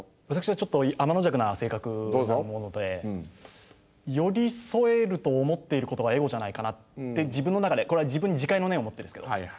私はちょっとあまのじゃくな性格なもので寄り添えると思っていることがエゴじゃないかなって自分の中でこれは自分に自戒の念を持ってですけど。